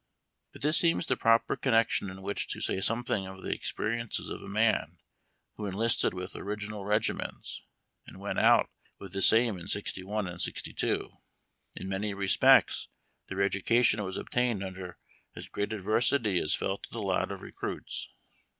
But this seems the proper connection in wdiich to say something of the experiences of men who enlisted with original regiments, and went out with the same in '61 and '62. In many respects, their education was obtained under as great adversity as fell to the lot of recruits.